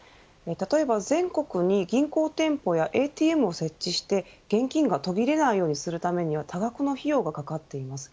例えば全国に銀行店舗やＡＴＭを設置して現金が途切れないようにするためには多額の費用がかかっています。